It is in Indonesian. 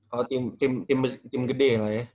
kalau tim tim tim gede lah ya